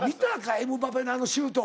エムバペのあのシュート。